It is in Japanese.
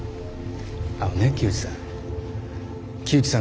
あのね木内さん。